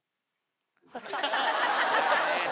ハハハハ！